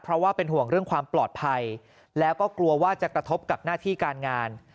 เพราะว่าเป็นห่วงเรื่องความปลอดภัยแล้วก็กลัวว่าจะกระทบกับหน้าที่การงาน